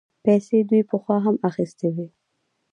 پيسې دوی پخوا هم اخيستې وې.